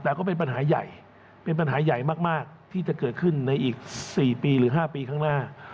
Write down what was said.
แต่ก็เป็นปัญหาใหญ่เป็นปัญหาใหญ่มากที่จะเกิดขึ้นในอีก๔ปีหรือ๕ปีข้างหน้า